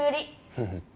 フフッ。